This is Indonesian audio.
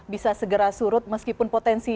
bisa segera surut meskipun potensi